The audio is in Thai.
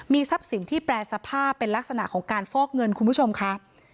ทรัพย์สินที่แปรสภาพเป็นลักษณะของการฟอกเงินคุณผู้ชมค่ะ